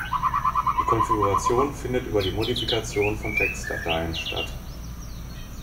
Die Konfiguration findet über die Modifikation von Textdateien statt.